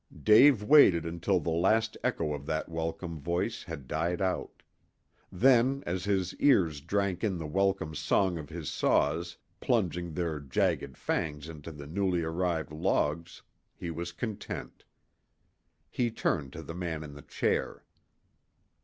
Dave waited until the last echo of that welcome voice had died out. Then, as his ears drank in the welcome song of his saws, plunging their jagged fangs into the newly arrived logs, he was content. He turned to the man in the chair.